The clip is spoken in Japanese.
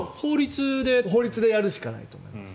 法律でやるしかないと思います。